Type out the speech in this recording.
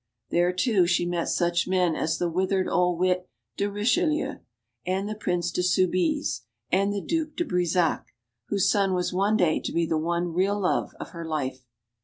There, too, she met such men as the withered old wit, de Richelieu, and the Prince de Soubise; and the Due de Brissac, whose son was one day to be the one real love of her life.